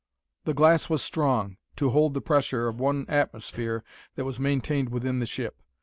The glass was strong, to hold the pressure of one atmosphere that was maintained within the ship.